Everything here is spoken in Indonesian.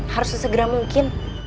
harus sesegera mungkin